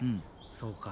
そうか。